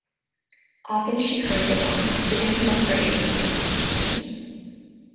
Often she hurried him on, giving him a phrase in anticipation.